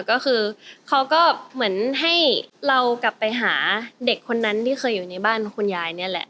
ก็คือเขาก็เหมือนให้เรากลับไปหาเด็กคนนั้นที่เคยอยู่ในบ้านคุณยายนี่แหละ